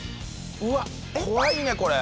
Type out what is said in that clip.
うわっ怖いねこれ。